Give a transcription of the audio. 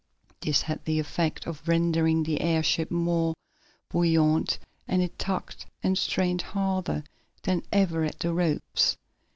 This had the effect of rendering the airship more buoyant, and it tugged and strained harder than ever at the ropes.